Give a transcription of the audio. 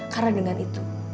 karena dengan itu